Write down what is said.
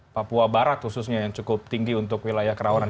papua barat khususnya yang cukup tinggi untuk wilayah kerawanan